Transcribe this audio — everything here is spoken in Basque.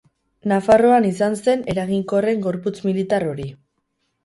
Nafarroan izan zen eraginkorren gorputz militar hori.